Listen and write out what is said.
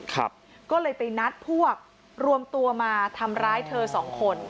ก็เลยไปนัดพวกรวมตัวมาทำร้ายเธอสองคน